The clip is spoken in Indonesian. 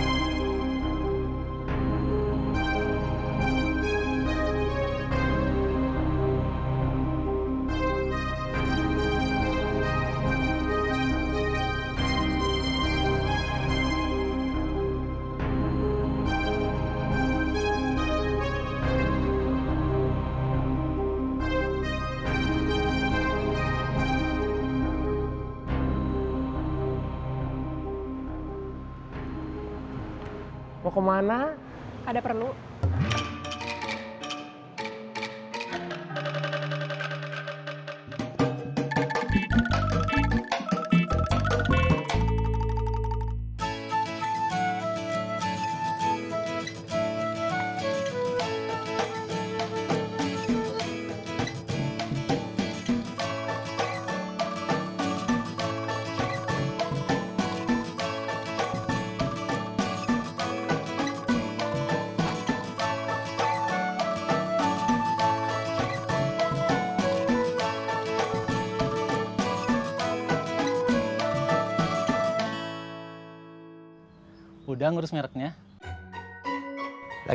aku ingin menambahkan keinginan mu